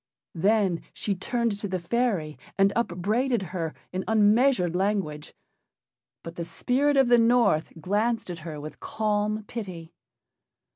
Then she turned to the fairy and upbraided her in unmeasured language. But the spirit of the North glanced at her with calm pity.